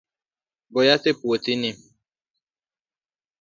Go yath e puothini .